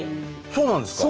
そうなんです。